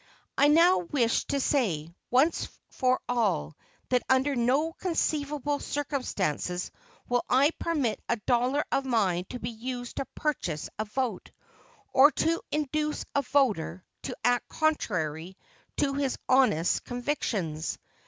I now wish to say, once for all, that under no conceivable circumstances will I permit a dollar of mine to be used to purchase a vote, or to induce a voter to act contrary to his honest convictions.